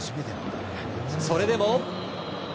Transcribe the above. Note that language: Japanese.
それでも。